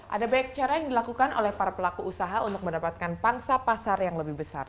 ada banyak cara yang dilakukan oleh para pelaku usaha untuk mendapatkan pangsa pasar yang lebih besar